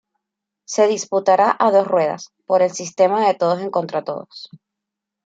Se disputará a dos ruedas, por el sistema de todos contra todos.